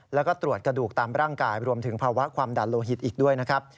แล้วก็ตรวจกระดูกตามร่างกายรวมถึงภาวะความดันโลหิตอีกด้วยนะครับ